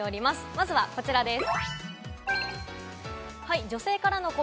まずは、こちらです。